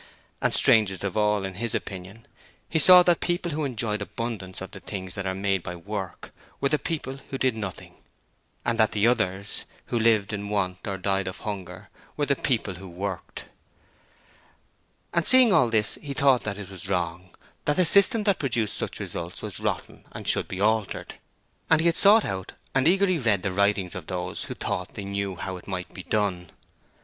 And strangest of all in his opinion he saw that people who enjoyed abundance of the things that are made by work, were the people who did Nothing: and that the others, who lived in want or died of hunger, were the people who worked. And seeing all this he thought that it was wrong, that the system that produced such results was rotten and should be altered. And he had sought out and eagerly read the writings of those who thought they knew how it might be done.